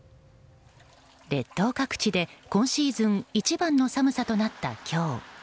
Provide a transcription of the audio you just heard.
列島各地で、今シーズン一番の寒さとなった今日。